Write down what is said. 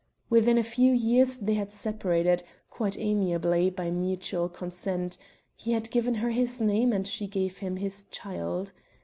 Within a few years they had separated, quite amiably, by mutual consent; he had given her his name and she gave him his child.